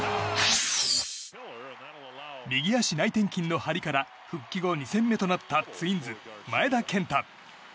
右足内転筋の張りから復帰後２戦目となったツインズ、前田健太。